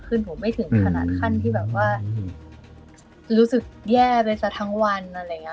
คือผมไม่ถึงขนาดขั้นที่แบบว่ารู้สึกแย่ไปซะทั้งวันอะไรอย่างนี้